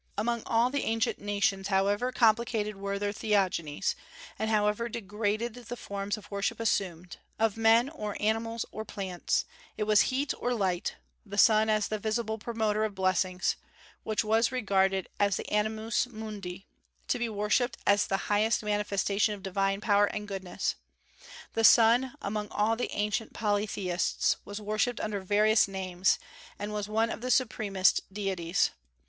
Among all the ancient nations, however complicated were their theogonies, and however degraded the forms of worship assumed, of men, or animals, or plants, it was heat or light (the sun as the visible promoter of blessings) which was regarded as the animus mundi, to be worshipped as the highest manifestation of divine power and goodness. The sun, among all the ancient polytheists, was worshipped under various names, and was one of the supremest deities.